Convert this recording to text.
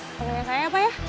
temenin saya ya pak ya